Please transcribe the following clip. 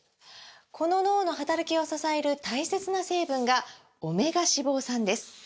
この脳の働きを支える大切な成分が「オメガ脂肪酸」です！